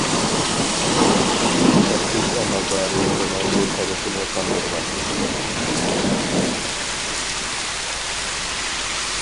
تەپتىش ئەمەلدارى ئۇنىڭ بۇ تەلىپىنى قاندۇرغان.